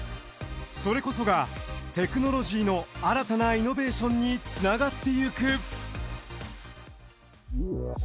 それこそがテクノロジーの新たなイノベーションにつながっていく。